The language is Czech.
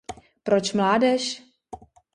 Proč mládež?